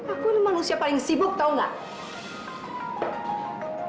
aku ini manusia paling sibuk tau gak